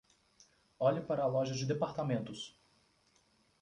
Olhe para a loja de departamentos